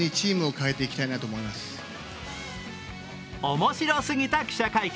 面白すぎた記者会見。